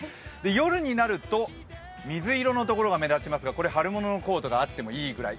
夜になると水色のところが目立ちますがこれは春物のコートがあってもいいぐらい。